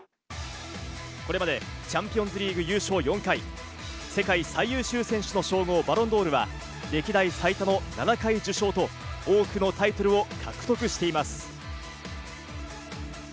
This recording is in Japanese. これまでチャンピオンズリーグ優勝４回、世界最優秀選手の称号、バロンドールは歴代最多の７回受賞と、多くのタイトルを獲得しています。